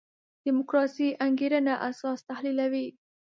دیموکراسي انګېرنه اساس تحلیلوي.